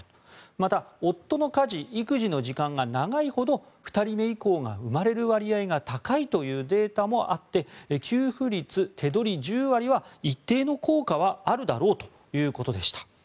また、夫の家事・育児の時間が長いほど２人目以降が生まれる割合が高いというデータもあって給付率手取り１０割は一定の効果はあるだろうということでした。